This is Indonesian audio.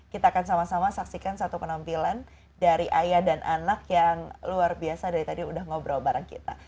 kita akan sama sama saksikan satu penampilan dari ayah dan anak yang luar biasa dari tadi udah ngobrol bareng kita